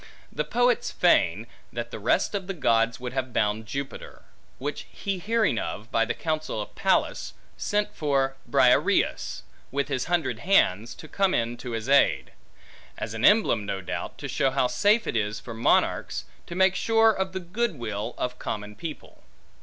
The poets feign, that the rest of the gods would have bound Jupiter; which he hearing of, by the counsel of Pallas, sent for Briareus, with his hundred hands, to come in to his aid. An emblem, no doubt, to show how safe it is for monarchs, to make sure of the good will of common people.